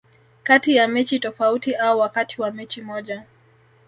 kati ya mechi tofauti au wakati wa mechi moja